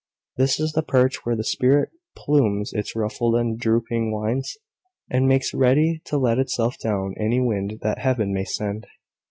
This is the perch where the spirit plumes its ruffled and drooping wines, and makes ready to let itself down any wind that Heaven may send.